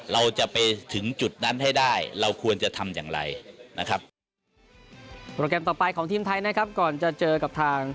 เราจะไปถึงจุดนั้นให้ได้เราควรจะทำอย่างไรนะครับ